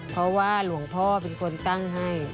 เพราะว่าหลวงพ่อเป็นคนตั้งให้